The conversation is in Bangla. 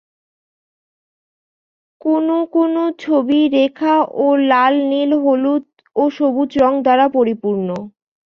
কোনও কোনও ছবি রেখা ও লাল, নীল, হলুদ ও সবুজ রং দ্বারা পরিপূর্ণ।